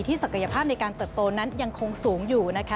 ศักยภาพในการเติบโตนั้นยังคงสูงอยู่นะคะ